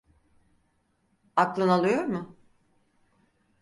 Aklın alıyor mu?